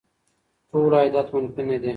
ټول عایدات منفي نه دي.